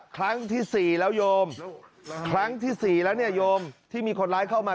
ครั้งที่สี่แล้วโยมครั้งที่สี่แล้วเนี่ยโยมที่มีคนร้ายเข้ามา